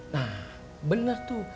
nah bener tuh